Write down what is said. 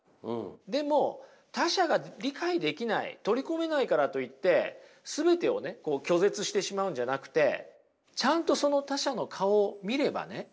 でも他者が理解できない取り込めないからといって全てを拒絶してしまうんじゃなくてちゃんとその他者の顔を見ればね